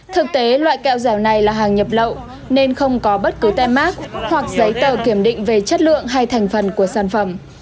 thực tế loại kẹo dẻo này là hàng nhập lậu nên không có bất cứ tem mát hoặc giấy tờ kiểm định về chất lượng hay thành phần của sản phẩm